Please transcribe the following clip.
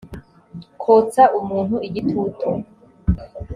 kotsa umuntu igitutu